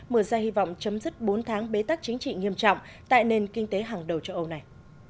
mở ra hy vọng chấm dứt bốn tháng bế tắc chính trị nghiêm trọng tại nền kinh tế hàng đầu châu âu này